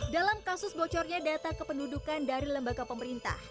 dalam kasus bocornya data kependudukan dari lembaga pemerintah